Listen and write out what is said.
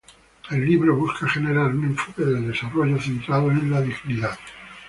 El libro busca generar un enfoque del desarrollo centrado en la dignidad.